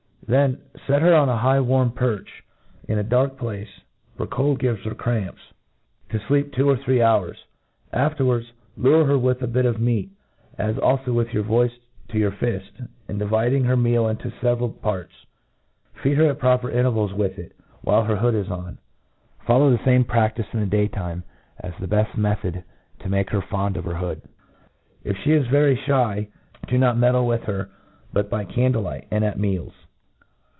Then fet her on a high warm perch, in a dark place, (for cold gives her cramps), to fleep two or 220 A T RE ATIS E Oy or three hours. Afterwards lure her with a bit of meat, as alfo with your voice, to your fifV; and, dividmg her meal into fcveral parts, feed her at proper intervals with it while her hood is on. iFollow the fame pr^ftice in the day time, as the beft method to make her fond of her hood. If ' fte is very fhy, do not meddle with her but by candle light, and at meals.